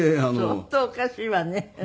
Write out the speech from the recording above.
相当おかしいわね。